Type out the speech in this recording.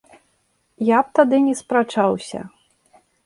Я б тады не спрачаўся.